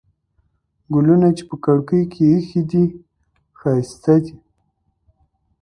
ګلونه چې په کړکۍ کې ایښي دي، ښایسته دي.